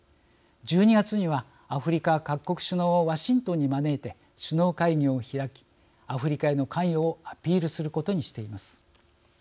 １２月にはアフリカ各国首脳をワシントンに招いて首脳会議を開きアフリカへの関与をアピールすることにしています。